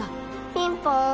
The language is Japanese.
ピンポーン！